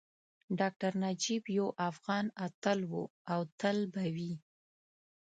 ډاکټر نجیب یو افغان اتل وو او تل به وي